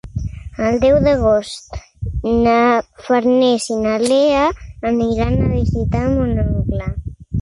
El deu d'agost na Farners i na Lea aniran a visitar mon oncle.